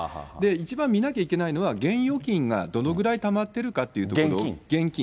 一番見なきゃいけないのは、現預金がどのぐらいたまっているかっ現金？